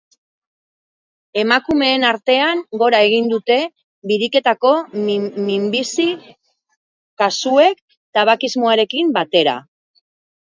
Emakumeen artean, gora egin dute biriketako minbizi kasuek, tabakismoarekin batera.